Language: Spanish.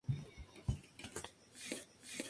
La Ley se mantuvo vigente tal cual como fue sancionada.